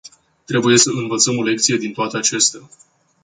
Trebuie să învățăm o lecție din toate acestea.